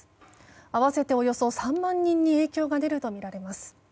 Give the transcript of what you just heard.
合わせておよそ３万人に影響が出るとみられます。